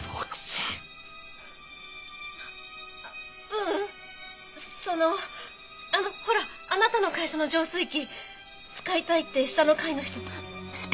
ううんそのあのほらあなたの会社の浄水器使いたいって下の階の人。